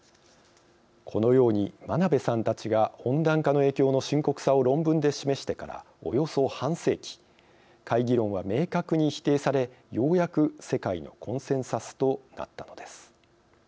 このように真鍋さんたちが温暖化の深刻さを論文で示してからおよそ半世紀懐疑論は明確に否定されようやく世界のコンセンサスとなったのです。